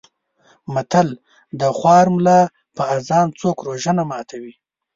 متل: د خوار ملا په اذان څوک روژه نه ماتوي.